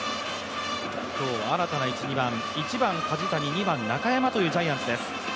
今日新たな１、２番、１番・梶谷、２番・中山というジャイアンツです